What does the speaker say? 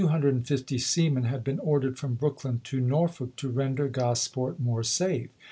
vii. 250 seamen had been ordered from Brooklyn to Norfolk to render Gosport more safe.